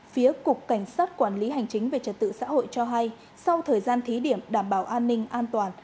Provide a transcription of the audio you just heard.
phía cục cảnh sát quản lý hành chính về trật tự xã hội cho hay sau thời gian thí điểm đảm bảo an ninh an toàn